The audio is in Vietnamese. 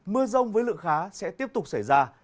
mưa rông với lượng khá sẽ tiếp tục xảy ra